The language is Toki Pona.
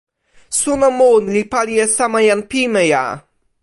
suno mun li pali e sama jan pimeja